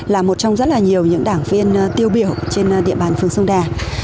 là một trong rất là nhiều những đảng viên tiêu biểu trên địa bàn phường sông đà